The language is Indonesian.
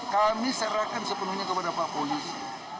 kami serahkan sepenuhnya kepada pak polisi